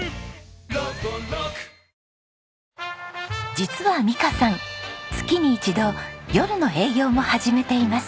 実は美香さん月に一度夜の営業も始めています。